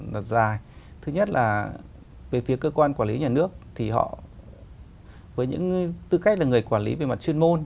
luật dài thứ nhất là về phía cơ quan quản lý nhà nước thì họ với những tư cách là người quản lý về mặt chuyên môn